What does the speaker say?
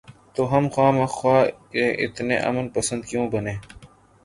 تو ہم خواہ مخواہ کے اتنے امن پسند کیوں بنیں؟